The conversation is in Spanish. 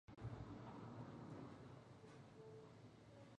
En zonas de sabanas y bosques en galería.